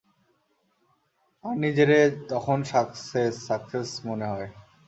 আর নিজেরে তখন success, success, মনে হয়।